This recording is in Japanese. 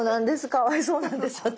かわいそうなんです私。